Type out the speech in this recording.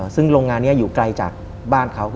ซึ่งโรงงานนี้อยู่ไกลจากบ้านเขา